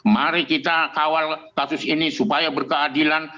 mari kita kawal kasus ini supaya berkeadilan